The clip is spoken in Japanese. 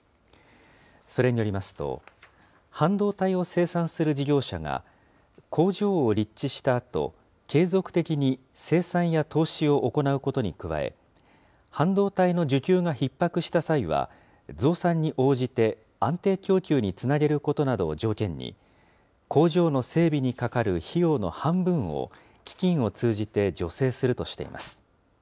それによりますと、半導体を生産する事業者が、工場を立地したあと、継続的に生産や投資を行うことに加え、半導体の需給がひっ迫した際は、増産に応じて安定供給につなげることなどを条件に、工場の整備にかかる費用の半分を基金を通じて助成するとしています。